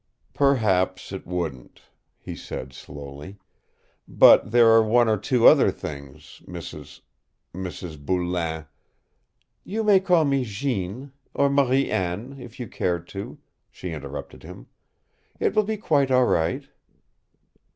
"Perhaps it wouldn't," he said slowly. "But there are one or two other things, Mrs. Mrs. Boulain " "You may call me Jeanne, or Marie Anne, if you care to," she interrupted him. "It will be quite all right."